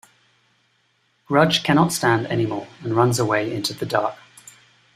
Grudge cannot stand any more and runs away into the dark.